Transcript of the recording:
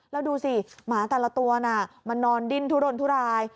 แล้วดูสิหมาแต่ละตัวน่ะมันนอนดิ้นทุรนทุราย